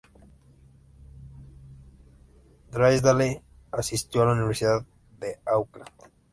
Drysdale asistió a la Universidad de Auckland.